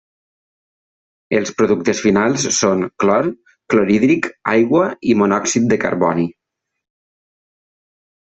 Els productes finals són clor, clorhídric, aigua i monòxid de carboni.